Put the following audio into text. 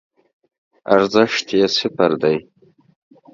ارزښت یی صفر دی